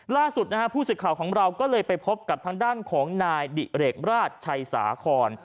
ล่าสุดนะฮะผู้สื่อข่าวของเราก็เลยไปพบกับทางด้านของนายดิเรกราชชัยสาคร